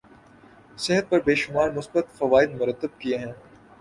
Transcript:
صحت پر بے شمار مثبت فوائد مرتب کیے ہیں